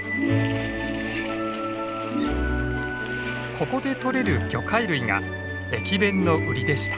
ここでとれる魚介類が駅弁のウリでした。